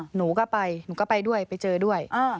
หนูก็ไปหนูก็ไปด้วยไปเจอด้วย